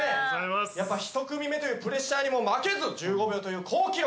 やっぱ１組目というプレッシャーにも負けず１５秒という好記録。